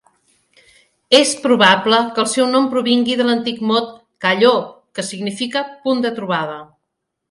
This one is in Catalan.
És probable que el seu nom provingui de l'antic mot "kálló", que significa "punt de trobada".